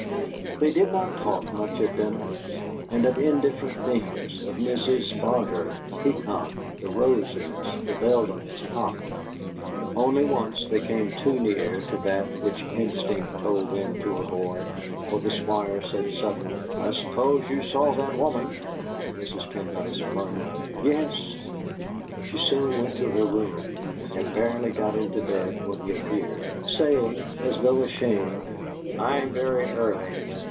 They did not talk much at dinner, and of indifferent things, of Mrs. Barter, Peacock, the roses, and Beldame's hock. Only once they came too near to that which instinct told them to avoid, for the Squire said suddenly: "I suppose you saw that woman?" And Mrs. Pendyce murmured: "Yes." She soon went to her room, and had barely got into bed when he appeared, saying as though ashamed: "I'm very early."